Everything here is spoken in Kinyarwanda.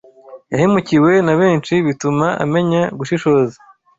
Yahemukiwe nabenshi bituma amenya gushishoza